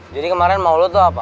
jadi kemarin mau lo tuh apa